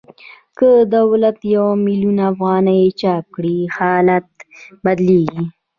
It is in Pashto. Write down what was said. که دولت یو میلیون افغانۍ چاپ کړي حالت بدلېږي